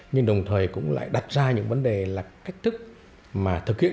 nhưng đồng thời cũng lại đặt ra những vấn đề là cách thức mà thực hiện